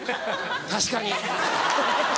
確かに。